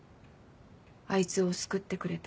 「あいつを救ってくれ」と。